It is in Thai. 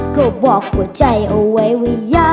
ก็บอกหัวใจเอาไว้ว่ายะ